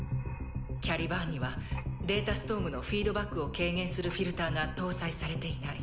キャリバーンにはデータストームのフィードバックを軽減するフィルターが搭載されていない。